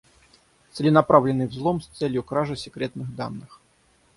Целенаправленный взлом с целью кражи секретных данных